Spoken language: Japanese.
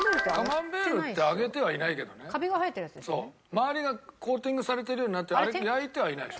周りがコーティングされてるようになってるあれ焼いてはいないでしょ。